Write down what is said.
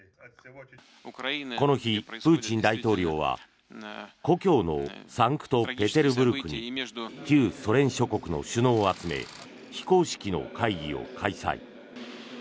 この日、プーチン大統領は故郷のサンクトペテルブルクに旧ソ連諸国の首脳を集め非公式の会議を開催。